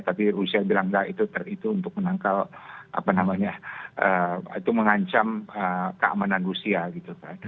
tapi rusia bilang enggak itu untuk menangkal apa namanya itu mengancam keamanan rusia gitu kan